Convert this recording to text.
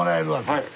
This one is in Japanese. はい。